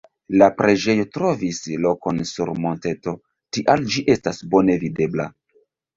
La preĝejo trovis lokon sur monteto, tial ĝi estas bone videbla.